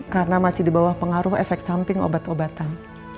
karena masih di bawah pengaruh efek samping obat obatan